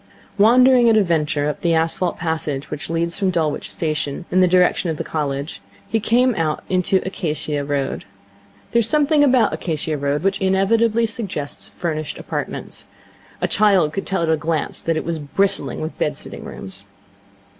Wandering at a venture up the asphalt passage which leads from Dulwich station in the direction of the College, he came out into Acacia Road. There is something about Acacia Road which inevitably suggests furnished apartments. A child could tell at a glance that it was bristling with bed sitting rooms.